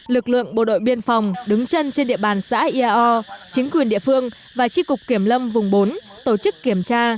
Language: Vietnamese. lực lượng bộ đội biên phòng đứng chân trên địa bàn xã iao chính quyền địa phương và tri cục kiểm lâm vùng bốn tổ chức kiểm tra